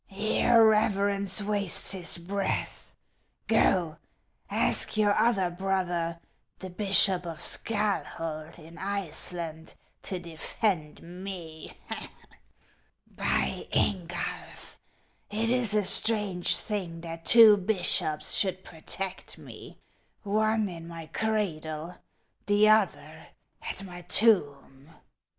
41 Your reverence waste* his breath, Gx> ask your other brother, the bishop of Scalhok. in Iceland, to defend me. By Ingulf * it is a strange thing that two bishops should protect me, — one in my cradle, the other at my tomb.